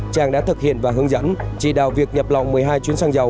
tràng đã thực hiện và hướng dẫn trị đạo việc nhập lọng một mươi hai chuyến xăng dầu